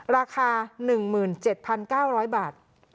ราคา๑๗๙๐๐บาท